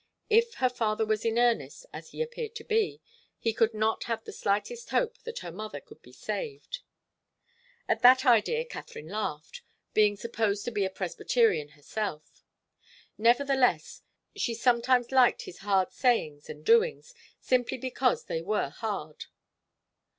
If her father was in earnest, as he appeared to be, he could not have the slightest hope that her mother could be saved. At that idea Katharine laughed, being supposed to be a Presbyterian herself. Nevertheless, she sometimes liked his hard sayings and doings, simply because they were hard.